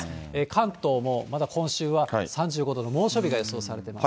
関東もまだ今週は３５度の猛暑日が予想されています。